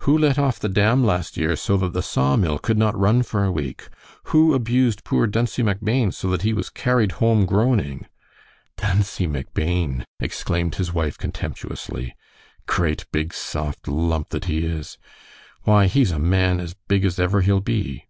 Who let off the dam last year so that the saw mill could not run for a week? Who abused poor Duncie MacBain so that he was carried home groaning?" "Duncie MacBain!" exclaimed his wife, contemptuously; "great, big, soft lump, that he is. Why, he's a man, as big as ever he'll be."